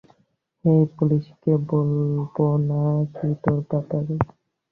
হেই, পুলিশকে বলবো না কি তোর ব্যাপারে?